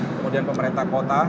kemudian pemerintah kota